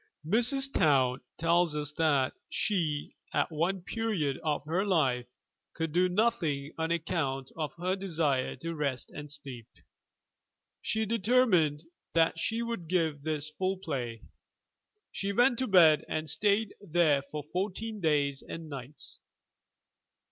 Mrs. Towne tells us that she, at one period of her life, could do nothing on account of her desire to rest and sleep. She determined that she would give this full play; she went to bed and stayed there for fourteen days and nights!